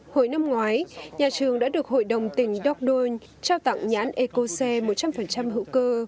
hồi năm ngoái nhà trường đã được hội đồng tỉnh dordon trao tặng nhãn ecocy một trăm linh hữu cơ